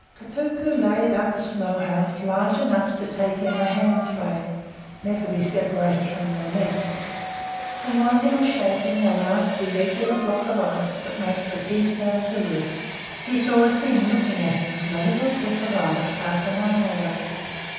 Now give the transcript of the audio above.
Kotuko laid up a snow house large enough to take in the hand sleigh (never be separated from your meat), and while he was shaping the last irregular block of ice that makes the key stone of the roof, he saw a Thing looking at him from a little cliff of ice half a mile away.